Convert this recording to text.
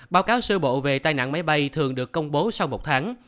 báo cáo sơ bộ về tai nạn máy bay thường được công bố sau một tháng